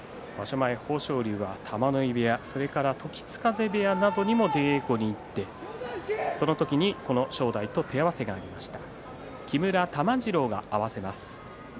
前、豊昇龍は玉ノ井部屋時津風部屋などにも出稽古に行ってその時に正代と手合わせがありました。